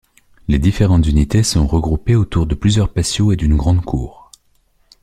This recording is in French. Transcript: Les différentes unités sont regroupées autour de plusieurs patios et d'une grande cour.